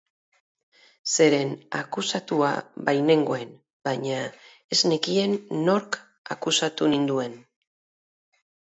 Zeren akusatua bainengoen, baina ez nekien nork akusatu ninduen.